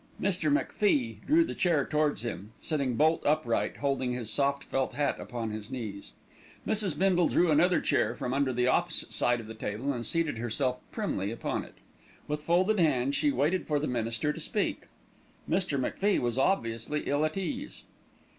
Mr. MacFie drew the chair towards him, sitting bolt upright, holding his soft felt hat upon his knees. Mrs. Bindle drew another chair from under the opposite side of the table and seated herself primly upon it. With folded hands she waited for the minister to speak. Mr. MacFie was obviously ill at ease.